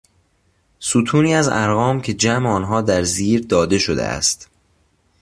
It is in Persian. ستونی از ارقام که جمع آنها در زیر داده شده است